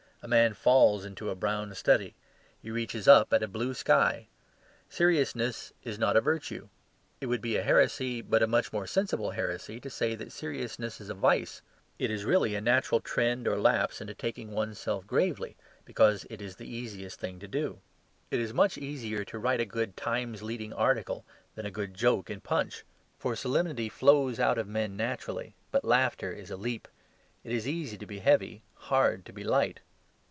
A man "falls" into a brown study; he reaches up at a blue sky. Seriousness is not a virtue. It would be a heresy, but a much more sensible heresy, to say that seriousness is a vice. It is really a natural trend or lapse into taking one's self gravely, because it is the easiest thing to do. It is much easier to write a good TIMES leading article than a good joke in PUNCH. For solemnity flows out of men naturally; but laughter is a leap. It is easy to be heavy: hard to be light.